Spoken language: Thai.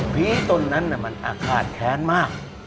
พี่ตนนั้นมันอาฆาตแท้มาก